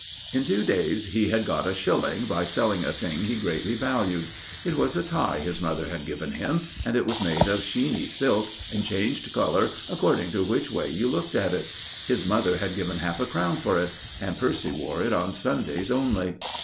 In two days he had got a shilling, by selling a thing he greatly valued. It was a tie his mother had given him, and it was made of sheeny silk, and changed colour according to which way you looked at it. His mother had given half a crown for it, and Percy wore it on Sundays only.